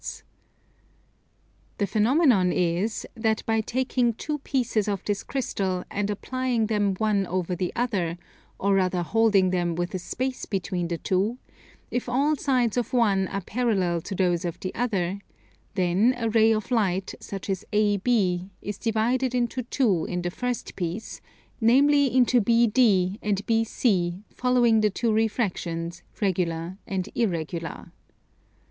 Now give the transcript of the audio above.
The phenomenon is, that by taking two pieces of this crystal and applying them one over the other, or rather holding them with a space between the two, if all the sides of one are parallel to those of the other, then a ray of light, such as AB, is divided into two in the first piece, namely into BD and BC, following the two refractions, regular and irregular.